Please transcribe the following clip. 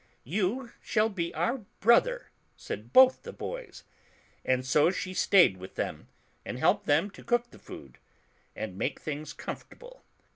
"You shall be our brother," said both the boys; and so she stayed with them, and helped to cook the food, and make things comfortable.